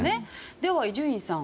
では、伊集院さん